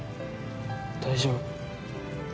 大丈夫。